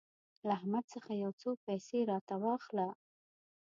له احمد څخه يو څو پيسې راته واخله.